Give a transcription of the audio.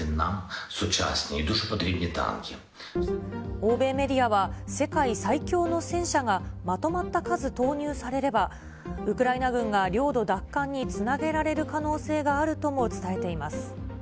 欧米メディアは、世界最強の戦車がまとまった数投入されれば、ウクライナ軍が領土奪還につなげられる可能性があるとも伝えています。